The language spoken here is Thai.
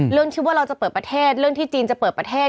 เรื่องที่ว่าเราจะเปิดประเทศเรื่องที่จีนจะเปิดประเทศ